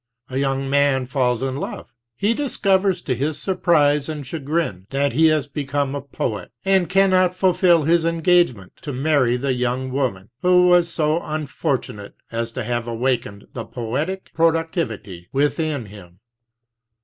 A young man falls in love; he dis covers to his surprise and chagrin that he has become a poet, and cannot fulfill his engagement to marry the young woman who was so unfortunate as to have awakened the poetic pro 22 ductivity within him.